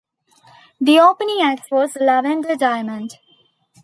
The opening act was Lavender Diamond.